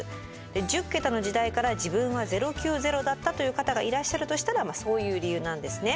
１０桁の時代から自分は「０９０」だったという方がいらっしゃるとしたらそういう理由なんですね。